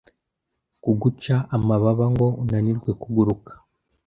kuguca amababa ngo unanirwe kuguruka